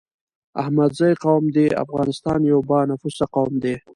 احمدزی قوم دي افغانستان يو با نفوسه قوم دی